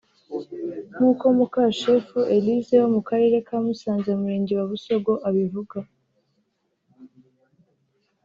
nk’uko Mukashefu Elise wo mu Karere ka Musanze mu murenge wa Busogo abivuga